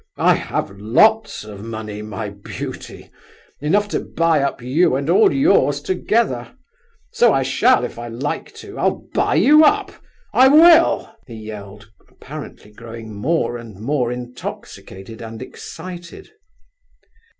I have lots of money, my beauty,—enough to buy up you and all yours together. So I shall, if I like to! I'll buy you up! I will!" he yelled, apparently growing more and more intoxicated and excited.